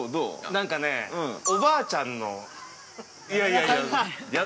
◆なんかね、おばあちゃんの◆いやいや、いや。